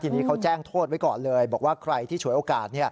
ทีนี้เขาแจ้งโทษไว้ก่อนเลยบอกว่าใครที่ฉวยโอกาส